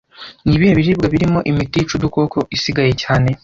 Nibihe biribwa birimo imiti yica udukoko isigaye cyane